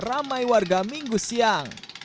ramai warga minggu siang